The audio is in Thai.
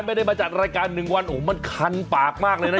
ไม่ได้มาจัดรายการหนึ่งวันโอ้โหมันคันปากมากเลยนะ